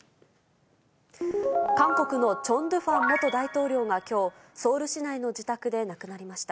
韓国のチョン・ドゥファン元大統領がきょう、ソウル市内の自宅で亡くなりました。